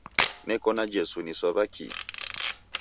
Neko na Jesu nisow'a kii?